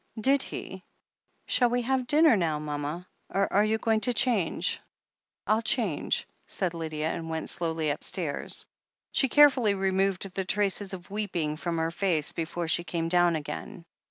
"Did he? Shall we have dinner now, mama, or are you going to change?" "I'll change," said Lydia, and went slowly upstairs. She carefully removed the traces of weeping from her face before she came down again.